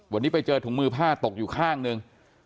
วันนี้ไปเจอถุงมือผ้าตกอยู่ข้างหนึ่ง